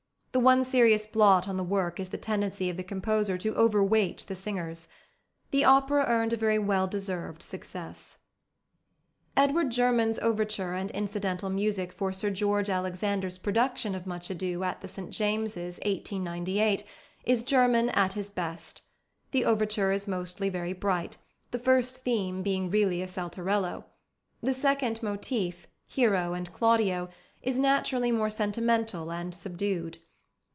The one serious blot on the work is the tendency of the composer to over weight the singers. The opera earned a very well deserved success. +Edward German's+ overture and incidental music for Sir George Alexander's production of Much Ado at the St James's, 1898, is German at his best. The overture is mostly very bright, the first theme being really a saltarello. The second motif, Hero and Claudio, is naturally more sentimental and subdued.